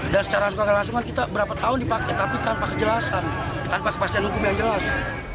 dan secara langsung langsung kita berapa tahun dipakai tapi tanpa kejelasan tanpa kepastian hukum yang jelas